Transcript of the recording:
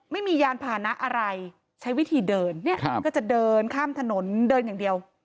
ไม่มียานพานะอะไรใช้วิธีเดินเนี่ยก็จะเดินข้ามถนนเดินอย่างเดียว